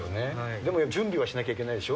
でも準備はしなきゃいけないでしょ。